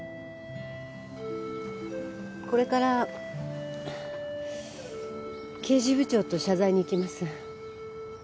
これから刑事部長と謝罪に行きます。